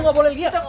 lo gak boleh lagi